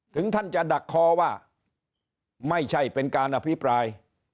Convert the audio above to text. ถึงท่านจะดักคอว่าไม่ใช่เป็นการอภิปราย